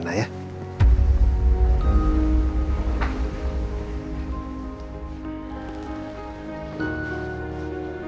tidak ada yang bisa dikonsumsiin